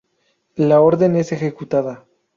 La orden es ejecutada.